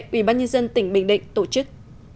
ubnd tỉnh bình định tổ chức